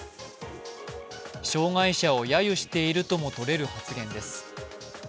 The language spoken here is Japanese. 障害者をやゆしているともとれる発言です。